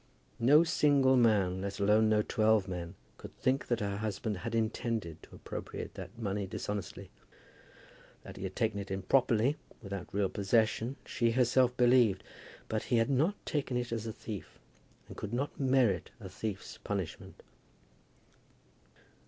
No single man, let alone no twelve men, could think that her husband had intended to appropriate that money dishonestly. That he had taken it improperly, without real possession, she herself believed; but he had not taken it as a thief, and could not merit a thief's punishment.